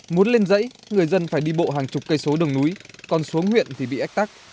muốn lên dãy người dân phải đi bộ hàng chục cây số đường núi còn xuống huyện thì bị ách tắc